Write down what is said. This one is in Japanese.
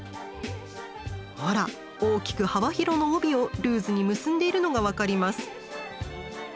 ほら大きく幅広の帯をルーズに結んでいるのが分かります。